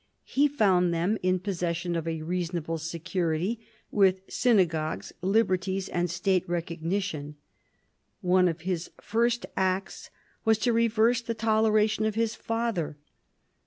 He found them in possession of a reasonable security, with synagogues, liberties, and State recognition. One of his first acts was to reverse the toleration of his father.